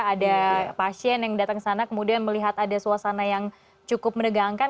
ada pasien yang datang ke sana kemudian melihat ada suasana yang cukup menegangkan